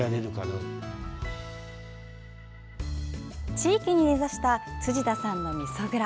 地域に根ざした辻田さんのみそ蔵。